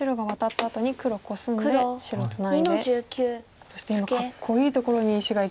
そして今かっこいいところに石がいきましたよ。